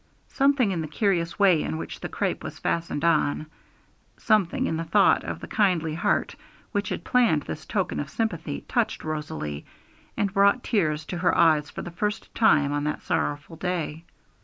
Something in the curious way in which the crape was fastened on, something in the thought of the kindly heart which had planned this token of sympathy, touched Rosalie, and brought tears to her eyes for the first time on that sorrowful day.